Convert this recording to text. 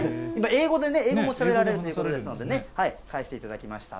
英語でね、英語もしゃべられるということですのでね、かえしていただきました。